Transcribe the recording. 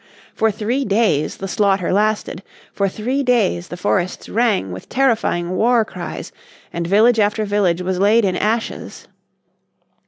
For three days the slaughter lasted, for three days the forests rang with terrifying war cries, and village after village was laid in ashes.